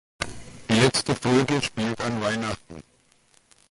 Die letzte Folge spielt an Weihnachten.